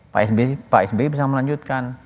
pak sby bisa melanjutkan